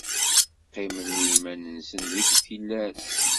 Qqimen i yiman-nsen deg tillas.